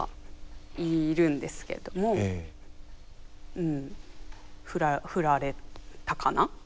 うん振られたかな。